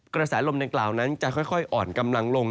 กระแสลมดังกล่าวนั้นจะค่อยอ่อนกำลังลง